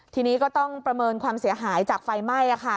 ทีนี้ก็ต้องประเมินความเสียหายจากไฟไหม้